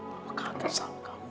papa kangen sama kamu